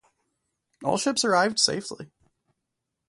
All ships arrived safely.